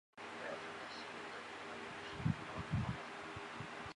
汉属益州弄栋县地。